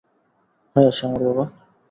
হ্যাঁ শামার বাবা।